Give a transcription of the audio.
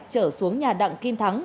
trở xuống nhà đặng kim thắng